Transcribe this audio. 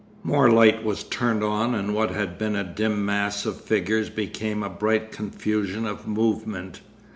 More light was turned on and what had been a dim mass of figures became a bright confusion of movement.